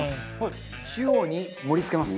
中央に盛り付けます。